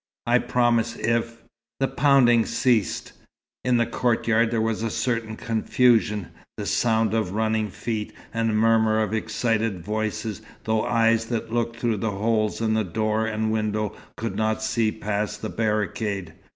"I promise, if " The pounding ceased. In the courtyard there was a certain confusion the sound of running feet, and murmur of excited voices, though eyes that looked through the holes in the door and window could not see past the barricade.